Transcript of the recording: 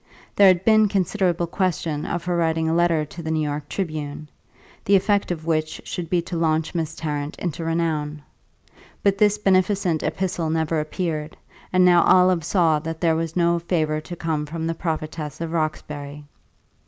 There had been considerable question of her writing a letter to the New York Tribune, the effect of which should be to launch Miss Tarrant into renown; but this beneficent epistle never appeared, and now Olive saw that there was no favour to come from the prophetess of Roxbury.